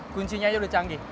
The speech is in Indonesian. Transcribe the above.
kuncinya aja udah canggih